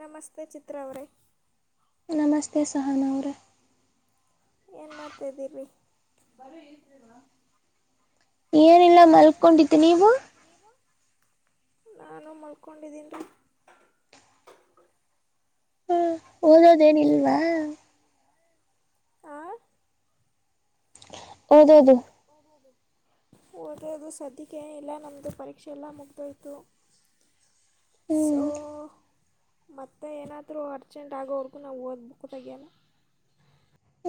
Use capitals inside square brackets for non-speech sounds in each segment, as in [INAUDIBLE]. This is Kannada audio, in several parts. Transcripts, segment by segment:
ನಮಸ್ತೆ ಚಿತ್ರ ಅವ ರೇ ನಮಸ್ತೆ ಸಹಾನಾವ್ರ ಏನ್ ಮಾಡ್ತಾಿದ್ದೀರರಿ ಏನಿಲ್ಲ ಮಲ್ಕೊಂಡತಿ ನೀವು ಮಲ್ಕುಂಡ ದಿನದ ಹ್ಮ್. ಓದೋದೇನಿಲ್ವಾ ಹ ಓದೋದು ಓದೋದು ಸದ್ಯಕ್ಕೆೇ ಇಲ್ಲ ನಮ್ದು ಪರೀಕ್ಷೆಲ್ಲ ಮುಗ್ದೋಯ್ತು ಸೊ ಹ್ಮ್ ಮತ್ತೆ ಏನಾದರೂ ಅರ್ಜೆಂಟ್ ಆಗೋವ್ರಗೂ ನಾವು ಓದ್ಬೇಕುಕ್ಕು ತೆಗೆಯೋಲ್ಲ ಇಲ್ಲ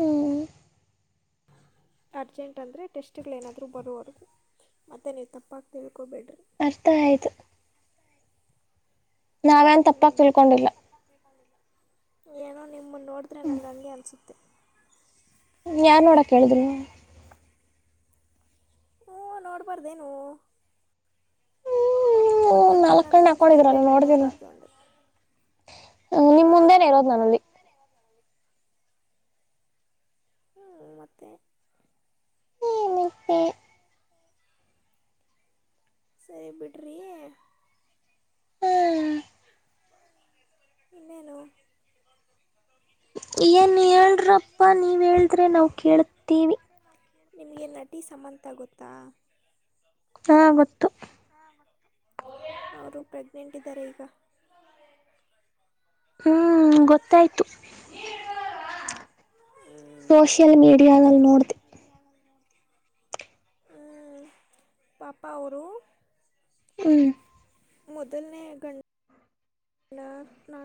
ಇಲ್ಲ ಅರ್ಜೆಂಟ್ ಅಂದರೆ ಟೆಸ್ಟ್ಗಳು ಏನಾದರೂ ಬರುವರ್ದು ಮತ್ತೆ ನೀವು ತಪ್ಪಾಗಿ ತಿಳ್ಕೊಬೇಡ್ರಿ ಅರ್ಥ ಆಯ್ತು ನಾವೇನ್ ತಪ್ಪಾಗ ತಿಳ್ಕೊಂಡಿಲ್ಲ ಏನೋ ನಿಮ್ಮನ್ನು ನೋಡಿದ್ರೆ ನಂಗೆ ಅಂಗೆ ಅನ್ಸುತ್ತೆ ಾನ್ ನೋಡಕ್ ಹೇಳೇಳಿದ್ನು ಹಊಞ ನೋಡ್ಬಾರ್ದೇನು ಹ್ಮ್ ಮತ್ತೆ ನೀವು ನಾಲ್ಕ್ ನನ್ನ ಕಣ್ಣು ಮುಂದೆ ಬರಬೇಡ್ರಿ ನೋಡಬಾರ್ದು ಅಂದರೆ ಹಾ ನಿಮ್ ಹಾಂ ಮುಂದೇನೆ ಇರೋದ್ ನಾನಲ್ಲಿ ಹೂ ಮತ್ತ ಇಟ್ಟೆ ಸರಿ ಬಿಡ್ರೀ ಇನ್ನೇನು ಏನು ಹೇಳ್ರಪ್ಪ ನೀವು ಹೇಳಿದ್ರೆ ನಾವು ಕೇಳ್ತೀವಿ ನಿಮಗೆ ನಟಿ ಸಮಂತ ಗೊತ್ತಾ ಹಾ ಗೊತ್ತು ಹಾ ಗೊತ್ತು ಅವರು ಪ್ರೆಗ್ನೆಂಟ್ ಇದ್ದರೆ ಈಗ ಹೂ ಗೊತ್ತಾಯ್ತು ಸೋಷಿಯಲ್ ಮೀಡಿಯಾದಲ್ಲಿ ನೋಡ್ದೆ ಹೂ ಪಾಪ ಅವರು ಹೂ ಮೊದಲನ ಗಂಡ ನಾ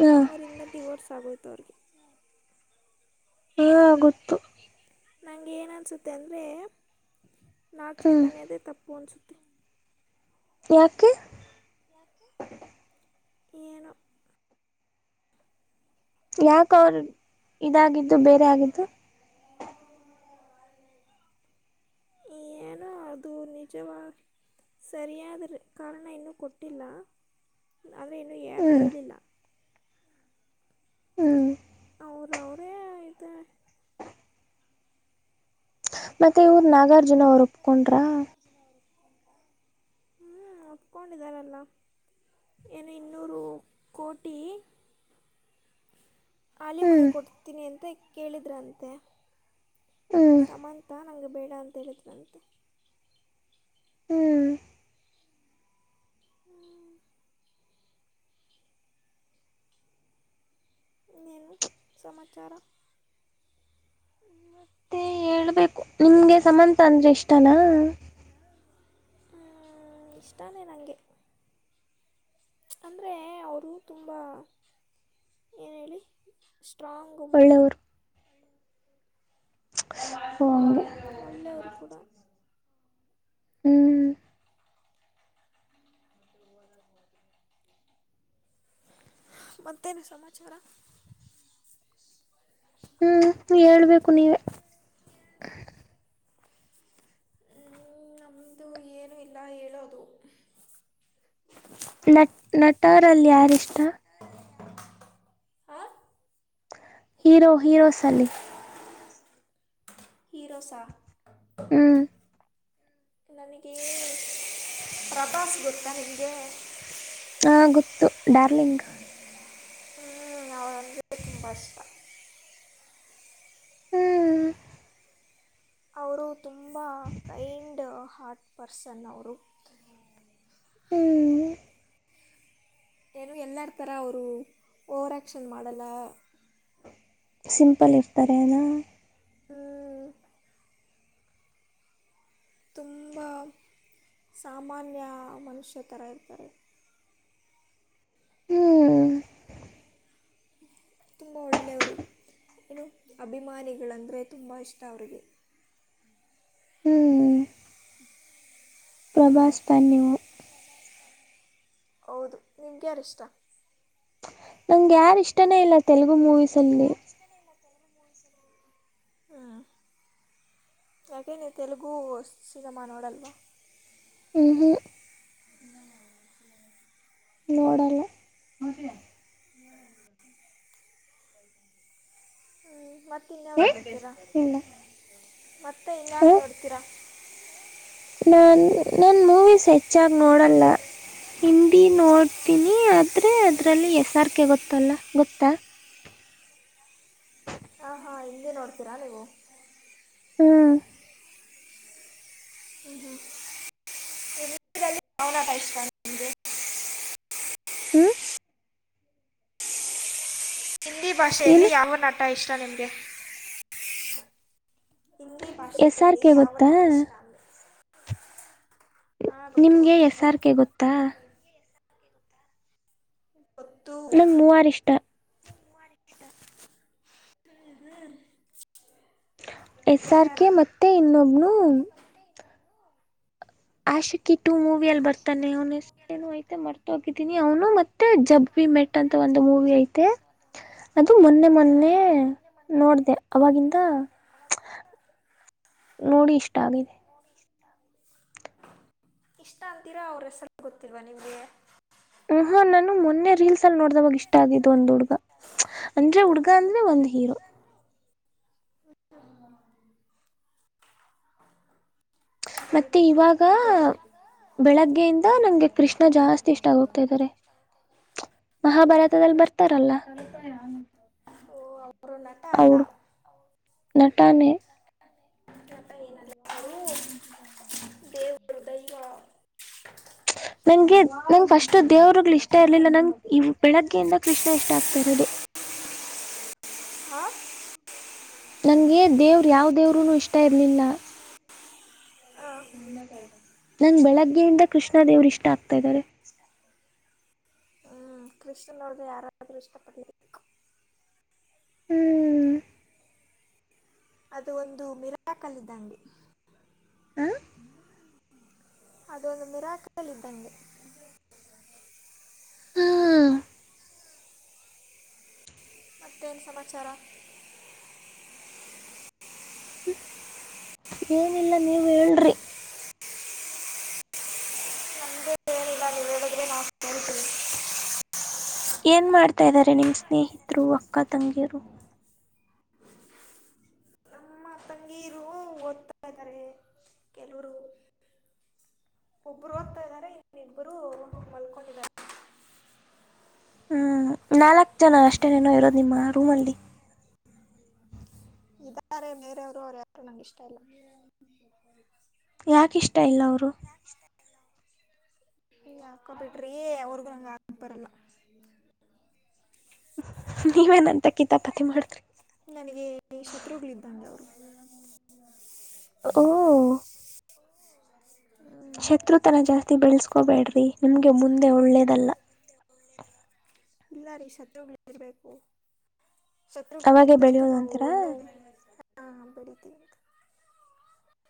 ಹಾ ಅವರಿಂದ ಡಿವೈಡ್ಸ್ ಆಗೋಯ್ತ್ ಅವರಿಗೆ ಹಾ ಗೊತ್ತು ನನೇನು ಅನಿಸುತ್ತೆ ಅಂದರೆ ನಾಡ್ ಹ್ಮ್ ಚೈತನ್ಯದೇ ತಪ್ಪು ಅನಿಸುತ್ತೆ ಯಾಕ್ಕೆ ಏನೋ ಯಾಕ ಅವರು ಇದಾಗಿದ್ದು ಬೇರೆ ಆಗಿದ್ದು [UNINTELLIGIBLE] ಏನೋ ಅದು ನಿಜವ ಸರಿಯಾದ ಕಾರಣ ಇನ್ನೂ ಕೊಟ್ಟಿಲ್ಲ ಅಲ್ಲ ಇನ್ನು ಯಾರು ಹ್ಮ್ ಹೇಳಿಲ್ಲ ಹೂ ಅವರು ಅವರೇ ಇದೆ ಮತ್ತೆ ಇವರು ನಾಗಾರ್ಜುನ ಅವರು ಒಪ್ಕೊಂಡ್ರ ಹೂ ಒಪ್ಕೊಂಡಿದ್ದಾರಲ್ಲ ಇನು ಇನ್ನೂರು ಕೋಟಿ ಹಾಲ ಮಾಡ ಹ್ಮ್ ಕೊಡ್ತೀನಿ ಅಂತ ಕೇಳಿದ್ರಂತೆ ಹ್ಮ್ ಸಮಂತ ನನಿಗ್ ಬೇಡ ಅಂತ ಹೇಳಿದ್ಳಂತೆ ಹೂ ಇನ್ನೇನು ಸಮಾಚಾರ ಮತ್ತೆ ಹೇಳಬೇಕು ನಿಮಗೆ ಸಮತ ಅಂದ್ರೆ ಇಷ್ಟನಾ ಹೂ ಇಷ್ಟನೇ ನನಗೆ ಅಂದ್ರೆ ಅವರು ತುಂಬ ಏನು ಹೇಳಿ ಸ್ಟ್ರಾಂಗ್ ವಿಮೆನ್ ಒಳ್ಳೆಯವರು ಓ ಹೂ ಹಂಗೆ ಒಳ್ಳೆಯವರು ಕೂಡ ಹೂ ಮತ್ತೇನು ಸಮಾಚಾರ ಹೇಳ್ಬೇಕು ನೀವೇ ನಮ್ಮದು ಏನು ಇಲ್ಲ ಹೇಳೋದು ನಟ್ ನಟರಲ್ಲಿ ಯಾರಷ್ಟ ಹಾ ಹೀರೋ ಹೀರೋ ಸಲಿ ಹೀರೋಸ್ ಹೂ ನನಗೆ ಪ್ರಭಾಸ್ ಗೊತ್ತಾ ನಿಮಗೆ ಹಾ ಗೊತ್ತು ಡಾರ್ಲಿಂಗ್ ಹ್ಮ್ ಅವಳಂದ ತುಂಬ ಇಷ್ಟ ಹ್ಮ್ ಅವರು ತುಂಬ ಕೈಂಡ್ ಹಾರ್ಟ್ ಪರ್ಸನ್ ಅವರು ಹ್ಮ್ ಏನು ಎಲ್ಲರ ಥರ ಅವರು ಓವರ ಆಕ್ಷನ್ ಮಾಡಲ್ಲ ಸಿಂಪಲ್ ಇರ್ತಾರೆನಾ ಹ್ಮ ತುಂಬ ಸಾಮಾನ್ಯ ಮನುಷ್ಯ ಥರ ಇರ್ತಾರೆ ಹ್ಮ್ ತುಂಬ ಒಳ್ಳೆಯವರು ಏನು ಅಭಿಮಾನಿಗಳಂದರೆ ತುಂಬ ಇಷ್ಟ ಅವರಿಗೆ ಹ್ಮ್ ಪ್ರಭಾಸ್ ಬನ್ನವು ಹೌದು ನಿಮ್ಗೆ ಯಾರ ಇಷ್ಟ ನಂಗೆ ಯಾರು ಇಷ್ಟನೇ ಇಲ್ಲ ತೆಲುಗು ಮೂವೀಸಲ್ಲಿ ಹಾ ಯಾಕೆ ನೀ ತೆಲುಗು ಸಜಮಾನೋಡಲ್ವಾ ಹ್ಞೂ ಹ್ಞೂ ಇ ನ ನೋಡಲ್ಲ ಹ್ಮ್ ಹ್ಮ್ ಮತ್ತೆ ಇನ್ಯಾವ್ದ್ ನೋಡ್ತೀರಾ ಇಲ್ಲ ಮತ್ತೆ ಇನ್ಯಾವ್ದ್ ನೋಡ್ತೀರಾ ನಾನು ನನ್ನ ಮೂವೀಸ್ ಹೆಚ್ಚಾಗಿ ನೋಡಲ್ಲ ಮತ್ತೆ ಹಿಂದಿ ನೋಡ್ ತನಿ ಆದ್ರೆ ಅದ್ರಲ್ಲಿ ಎಸ್ರ್ ಕೆ ಗೊತ್ತಲ್ಲ ಗೊತ್ತಾ ಹಾ ಹಾಂ ಹಿಂದೆ ನೋಡ್ತೀರಾ ನೀವು ಹ್ಮ ಹ್ಮ್ ಹ್ಮ್ಲನಾಟ ಇಷ್ಟ ನಿಮಗೆ ಹ್ಮ ಹಿಂದಿ ಭಾಷೆಯಲ್ಲಿ ಏನು ಯಾವ ನಟ ಇಷ್ಟ ನಿಮ್ಗೆ ಹಿಂದಿ ಎಸ್ ಆರ್ ಭಾಷೆಯಲ್ಲಿ ಕೆ ಗೊತ್ತಾ ಯಾವರಟ ಇಷ್ಟ ಅಂದ್ರೆ ನಿಮ್ಗೆ ಗೊತ್ತು ಹೆಸಾರ್ಕ ಗೊತ್ತಾ ನಂಗೆ ಮೂವಾರ ಇಷ್ಟ ಹ್ಮ ಹ್ಮ ಎಕ್ಸಾಮ್ ಗೆ ಮತ್ತೆ ಇನ್ನೊಬ್ನು ಆಶೆ ಟು ಮೂವಿ ಅಲ್ಲಿ ಬರ್ತಾನೆ ಅವನು ಹೆಸ್ರು ಮರ್ತ ಹೋಗಿದ್ದೀನಿ ಅವನು ಮತ್ತೆ ಜಬ್ಬ ಮೆಟ್ ಅಂತ ಒಂದು ಮೂವಿ ಐತೆ ಅದು ಮೊನ್ನೆ ಮೊನ್ನೆ ನೋಡ್ದ ಅವಾಗಿಂದ ನೋಡಿ ಇಷ್ಟ ಆಗಿದೆ ಇಷ್ಟ ಅಂತೀರಾ ಅವ್ರಸಲ ಗೊತ್ತಿಲ್ವಾ ನಿಮ್ಗೆ ಮಊಹಾ ನಾನು ಮೊನ್ನೆ ರೀಲ್ಸ್ ಅಲ್ಲಿ ನೋಡ್ದವಾಗ ಇಷ್ಟ ಆಗಿದ್ದು ಒಂದು್ ಹುಡುಗ ಅಂದ್ರೆ ಹುಡುಗ ಯ ಅಂದ್ರೆ ಒಂದು ಹೀರೋ ಸರಿ ಮತ್ತೆ ಬಿಡ್ರಿ ಇವಾಗ ಮತ್ತೆ ಬೆಳಗ್ಗೆಯಿಂದ ನಂಗೆ ಕೃಷ್ಣ ಜಾಸ್ತಿ ಇಷ್ಟಗ ಹೋಗ್ತಾ ಇದಾರೆ ಮಹಾಭಾರತದಲ್ಲಿ ಕೃಷ್ಣ ಬರ್ತಾರಲ್ಲ ನಟಾ ಅಲ್ಲ ನಟನೆ ಅಪ್ಪ ಏನ ಹ ದೇವರುದಯವಾ ನಂಗೆ ನಂ ಫಸ್ಟ್ ದೇವರುಗಳು ಇಷ್ಟ ಇರ್ಲಿಲ್ಲ ನಂಗಗೆ ಇ ಬೆಳಗ್ಗೆಯಿಂದ ಕೃಷ್ಣ ಇಷ್ಟ ಆಗ್ತಾ ಇರೋದು ಹ ಹಾ ನಂಗೆ ದೇವ್ರ ಯಾವ್ ದೇವರುನು ಇಷ್ಟ ಇರ್ಲಿಲ್ಲ ಹಾಂ ನನ್ ಬೆಳಗ್ಗೆಯಿಂದ ಕೃಷ್ಣ ದೇವರು ಇಷ್ಟ ಆಗ್ತಾ ಇದ್ದಾರೆ ಹ್ಮ್ ಕೃಷ್ಣನ ಅವ್ರ್ದ ಯಾರಾದರರು ಇಷ್ಟಪಟ್ಟು ಹ್ಮ್ ಅದು ಒಂದು ಮಿರಾಕ್ ಅಲ್ಲಿದ್ದಂಗೆ ಹ ಅದೊಂದು ಮಿರಾಕಲ್ ಇದ್ದಂಗೆ ಹಾ ಮತ್ತೇನ್ ಸಮಾಚಾರ ಏನಿಲ್ಲ ನೀವ ಹೇಳ್ರಿ ನಂದೇನಿಲ್ಲ ನೀವು ಹೇಳಿದ್ರೆ ನಾನ್ ಕೇಳ್ತೀನಿ ಏನ್ ಮಾಡ್ತಾ ಇದ್ದಾರೆ ನಿಮ್ಮ ಸ್ನೇಹಿತರು ಅಕ್ಕ ತಂಗಿಯರು ನಮ್ಮ ತಂಗೀರು ಓದ್ತಾ ಇದ್ದಾರೆ ಕೆಲವರು ಒಬ್ಬರು ಓದ್ತಾ ಇದ್ದಾರೆ ಇನ್ನಿಬ್ಬರು ಮಲ್ಕೊಂಡಿದ್ದಾರೆ ಹ್ಮ್ ನಾಲ್ಕ್ ಜನ ಅಷ್ಟೇನೇನೋ ಇರೋದು ನಿಮ್ಮ ರೂಮ್ಲ್ಲಿ ರು ಅವ್ರ ಯ ನಂಗೆ ಇಷ್ಟ ಇಲ್ಲ ಯಾಕ ಇಷ್ಟ ಇಲ್ಲ ಅವರು ಹಾಕೊಬಿಟ್ರಿ ಅವ್ರಗೂಂಗ ಆಾಬರಲ್ಲ ನೀವೇನಂತ ಕೀತಾಪಾತಿ ಮಾಡಿದ್ರಿ ನನಗೆ ಶತ್ರುಗಳ್ದಂಗೆ ಅವರು ಹಓ ಶತ್ರುತನ ಜಾಸ್ತಿ ಬೆಳೆಸ್ಕೊಬೇಡ್ರಿ ನಿಮ್ಗೆ ಮುಂದೆ ಒಳ್ಳೇದಲ್ಲ ಇಲ್ಲಾರಿ ಶತ್ರುಗಳಿರ್ಬೇಕು ಅವಾಗೆ ಶತ್ರುಗಳಿದ್ದಷ್ಟು ಬೆಳೆಯೋದು ಅಂತೀರಾ ನಾವುನ್ನು ಹ ಬೆಡಿತೀವಿ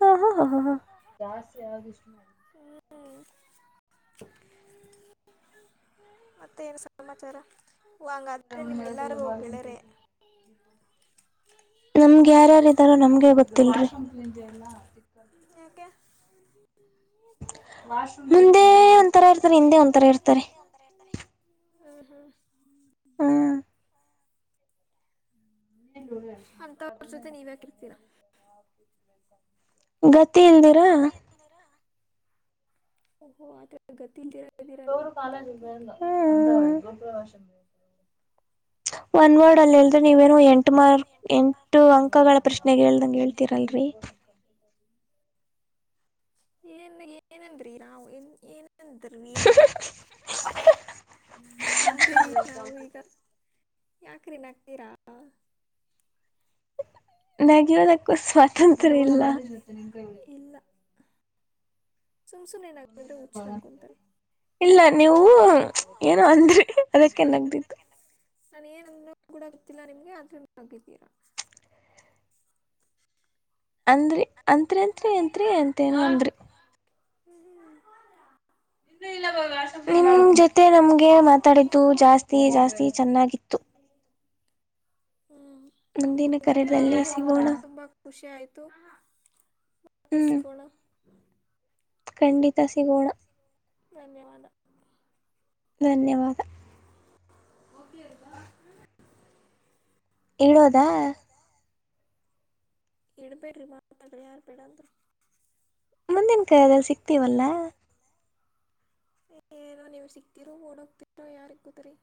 ಹಾ ಹಾ ಹಾ ಹಾ ಹಾ ದ ಹ ಮತ್ತೆ ಏನ್ ಸಮಾಚಾರ ಹಂಗಾದ್ರೆ ನಿಮ್ಗೆಲ್ಲರಿಗೂ ಗೆಳೆಯರೇ ನಿಮ್ಗೆ ಯಾರ್ಯಾರ ಇದ್ದಾರೋ ನಮ್ಗೆ ಗೊತ್ತಿಲ್ರಿ ಯಏಕೆ ಮುಂದೆ ಒಂಥರ ಇರ್ತಾರೆ ಹಿಂದೆ ಒಂಥರ ಇರ್ತಾರೆ ಹ ಹಾ ಹ್ಮ್ ನೀದ ಅಂಥವ್ರ ಜೊತೆ ನೀವು ಯಾಕಿರ್ತೀರ ಗತಿಯಂದಿರಾ ಹ ಆ ಗತಿ ಇನ್ನ ಇದ್ದೀರ ತ ನೀವು ಅವರು ಅಂತ ಅರ್ಥ ಆಯ್ತು ಕಾಲೇಜಂದ ವಷ ಒನ್ ವರ್ಡ್ ಅಲ್ಲಿ ಎಲ್ದ್ರೆ ನೀವೇನು ಎಂಟು ಮಾರ್ಕ್ ಎಂಟು ಅಂಕಗಳ ಪ್ರಶ್ನೆಗೆ ಹೇಳ್ದಂಗಗೆ ಹೇಳ್ತೀರಲ್ಲ ರಿ ಏನ್ ಏನಂದ್ರಿ ನಾವು ನ್ ಏನಂದ್ರೀನ್ ಅಂದ್ರೀ ನಾವು ಈಗ ಯಾಕ್ರೀ ನಕ್ತೀರಾ ನಾಗದಕ್ಕೂ ಸ್ವಾತಂತ್ರ್ಯ ಇಲ್ಲ ಇಲ್ಲ ಸುಮ್ ಸುಮ್ಮನೆ ನಗಿದ್ರೆ ಹುಚ್ಚರು ತಂದ ಅನ್ಕೊಂತಾರೆ ಇಲ್ಲ ನೀವು ಏನು ಅಂದ್ರಿ ಅದಕ್ಕೆನಾಗ್ದಿತ್ತು ನಾನ ಏನಂದ ಕೂಡ ಗೊತ್ತಿಲ್ಲ ನಿಮ್ಗೆ ಆಚ ಹಗಿದ್ದೀರಾ ಅಂದ್ರಿ ಅಂತ್ರಿ ಅಂತ್ರಿ ಅಂತ್ರಿ ಅಂತೇನ ಅಂದ್ರಿ ಹ್ಮ್ ಹ್ಮ ನಿಮ ಜೊತೆ ನಮ್ಗೆ ಮಾತಾಡ ಜಾಸ್ತಿ ಜಾಸ್ತಿ ಚೆನ್ನಾಗಿತ್ತು ಹ್ಞೂ ಮುಂದಿನ ನಮಗೂ ಕೂಡ ಕರೆದದಲ್ಲಿೇ ಸಿಗೋಣ ಹ್ಮ್ ಟಸಿಕೋಳ ಖಂಡಿತ ಸಿಗೋಣ ಧನ್ಯವಾದ ಧನ್ಯವಾದ ಓಕ ಅಂತ ಹೇಳೋದಾ ಇಡಬೇಡಿರಿ ಮಾತಗಳು ಯಾರಪಿಡದು ಮುಂದಿನ ಕಾಯ ಸಿಗ್ತೀವಲ್ಲಾ ಏಏನೋ ನೀವು್ ಸಿಕ್ತೀರೋ ಓಡೋಗ್ತರೋ ಯಾರಿಕ್ಕತರಿ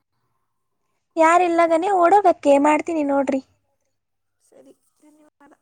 ಯಾರ್ ಇಲ್ಗನೆೇ ಓಡೋಬೇಕಕ್ಕೆೆ ಮಾಡ್ತೀನಿ ನೋಡ್ರಿ ಸರಿ ಧನ್ಯವಾದ